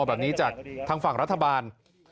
แบบนี้จากทางฝั่งรัฐบาล